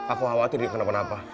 aku khawatir dia kenapa kenapa